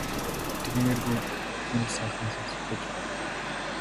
Итгэмээргүй бүх юм сайхан сонсогдож байна.